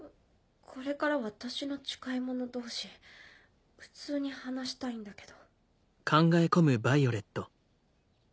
これからは年の近い者同士普通に話したいんだけど。